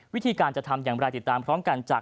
วิธีการจะทำอย่างไรติดตามพร้อมกันจาก